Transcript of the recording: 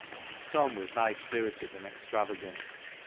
Tom was high spirited and extravagant.